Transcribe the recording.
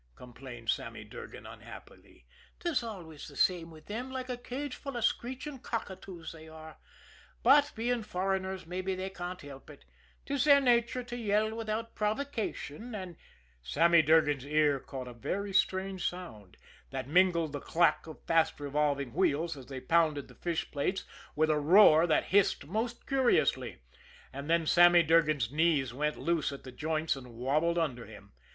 complained Sammy Durgan unhappily. "'Tis always the way with them, like a cageful of screeching cockatoos, they are but being foreigners mabbe they can't help it, 'tis their nature to yell without provocation and " Sammy Durgan's ear caught a very strange sound, that mingled the clack of fast revolving wheels as they pounded the fish plates with a roar that hissed most curiously and then Sammy Durgan's knees went loose at the joints and wobbled under him.